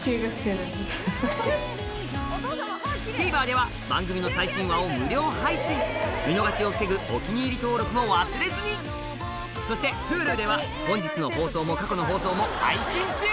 ＴＶｅｒでは番組の最新話を無料配信見逃しを防ぐ「お気に入り」登録も忘れずにそしてＨｕｌｕでは本日の放送も過去の放送も配信中！